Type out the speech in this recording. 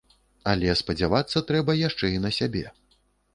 Але спадзявацца трэба яшчэ і на сябе.